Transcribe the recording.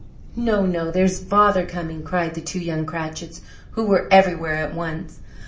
"No, no! There's father coming!" cried the two young Cratchits, who were everywhere at once.